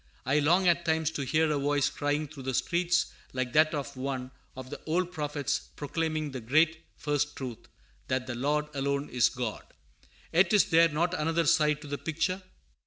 I long at times to hear a voice crying through the streets like that of one of the old prophets proclaiming the great first truth, that the Lord alone is God. Yet is there not another side to the picture?